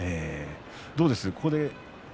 どうですか？